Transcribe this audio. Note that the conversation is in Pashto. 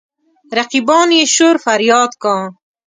رقیبان يې شور فرياد کا.